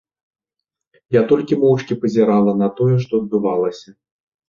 Я толькі моўчкі пазірала на тое, што адбывалася.